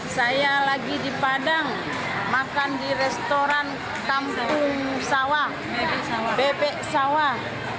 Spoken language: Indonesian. saya lagi di padang makan di restoran kampung sawah bebek sawah